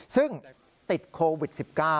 ซึ่งติดโควิด๑๙